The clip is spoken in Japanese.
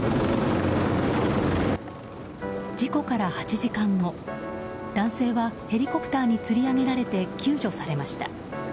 事故から８時間後男性は、ヘリコプターにつり上げられて救助されました。